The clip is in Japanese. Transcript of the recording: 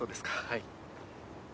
はい。